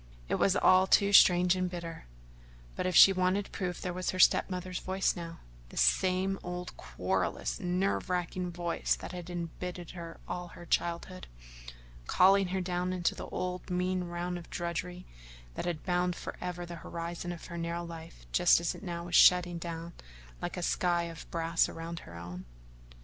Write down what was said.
It was all too strange and bitter, but if she wanted proof there was her step mother's voice now the same old, querulous, nerve racking voice that had embittered all her childhood calling her down into the old mean round of drudgery that had bound forever the horizon of her narrow life just as now it was shutting down like a sky of brass around her own.